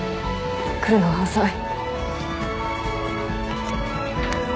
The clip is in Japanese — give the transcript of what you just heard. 来るのが遅い。